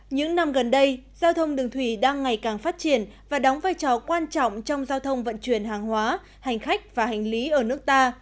những năm gần đây giao thông đường thủy đang ngày càng phát triển và đóng vai trò quan trọng trong giao thông vận chuyển hàng hóa hành khách và hành lý ở nước ta